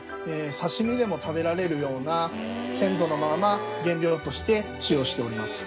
刺し身でも食べられるような鮮度のまま原料として使用しております。